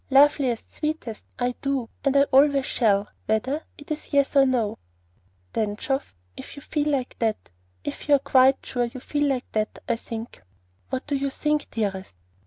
Loveliest, sweetest, I do, and I always shall, whether it is yes or no." "Then, Geoff if you feel like that if you're quite sure you feel like that, I think " "What do you think, dearest?"